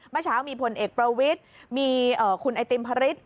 เมื่อเช้ามีพลเอกประวิทย์มีคุณไอติมพระฤทธิ